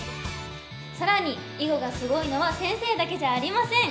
さらに囲碁がすごいのは先生だけじゃありません！